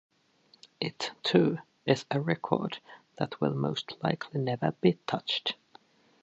It, too, is a record that will most likely never be touched.